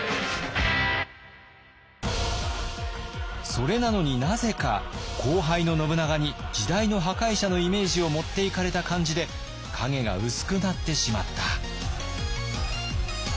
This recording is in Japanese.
それなのになぜか後輩の信長に時代の破壊者のイメージを持っていかれた感じで影が薄くなってしまった。